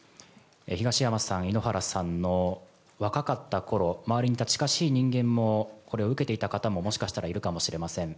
東山さん、井ノ原さんの若かったころ周りにいた近しい人間もこれを受けていた方ももしかしたらいるかもしれません。